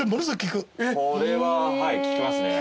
これは効きますね。